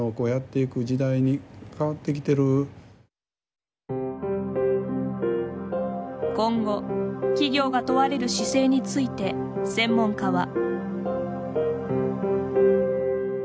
私どももですね今後企業が問われる姿勢について専門家は。